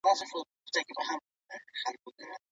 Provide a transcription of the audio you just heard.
څېړنې کله ناکله بېلابېلې پایلې ښيي.